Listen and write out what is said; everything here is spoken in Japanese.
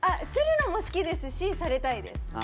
するのも好きですしされたいです。